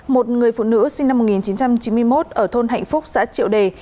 một người phụ nữ sinh năm một nghìn chín trăm chín mươi một ở thôn hạnh phúc xã triệu đề